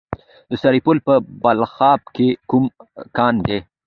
د سرپل په بلخاب کې کوم کان دی؟